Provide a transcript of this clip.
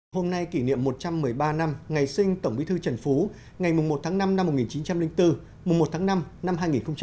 hôm nay kỷ niệm một trăm một mươi ba năm ngày sinh tổng bí thư trần phú ngày một tháng năm năm một nghìn chín trăm linh bốn một tháng năm năm hai nghìn hai mươi bốn